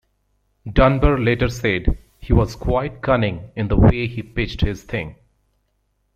Dunbar later said: He was quite cunning in the way he pitched his thing.